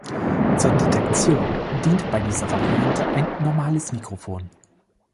Zur Detektion dient bei dieser Variante ein normales Mikrofon.